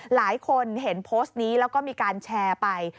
หลายคนเห็นโพสต์นี้แล้วก็มีการแชร์ไป